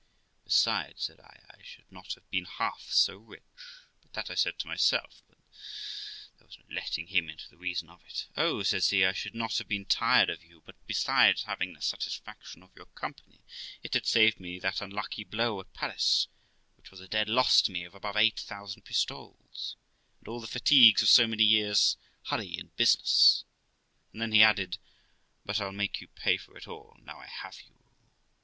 Besides ', said I, ' I should not have been half so rich '; but that I said to myself, for there was no letting him into the reason of it. 'Oh!' says he, 'I should not have been tired of you; but, besides having the satisfaction of your company, it had saved me that unlucky blow at Paris, which was a dead loss to me of above eight thousand pistoles, and 22 338 THE LIFE OF ROXANA all the fatigues of so many years' hurry and business'; and then he added, 'But I'll make you pay for it all, now I have you.'